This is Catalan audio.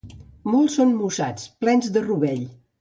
Molts són mossats, plens de rovell.